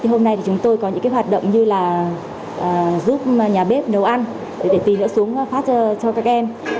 hôm nay chúng tôi có những hoạt động như giúp nhà bếp nấu ăn để tí nữa xuống phát cho các em